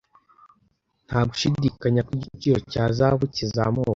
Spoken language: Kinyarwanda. Nta gushidikanya ko igiciro cya zahabu kizamuka.